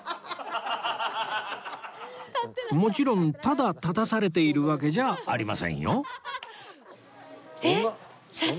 もちろんただ立たされているわけじゃありませんよ